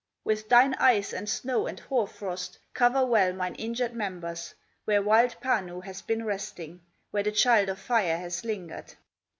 With thine ice, and snow, and hoar frost Cover well mine injured members Where wild Panu has been resting, Where the child of Fire has lingered.